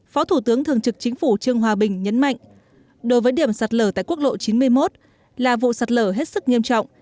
phó thủ tướng thường trực chính phủ trương hòa bình nhấn mạnh đối với điểm sạt lở tại quốc lộ chín mươi một là vụ sạt lở hết sức nghiêm trọng